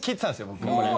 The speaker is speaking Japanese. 僕これ。